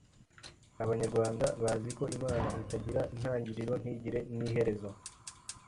Abanyarwanda bazi ko Imana itagira intangiriro ntigire n’iherezo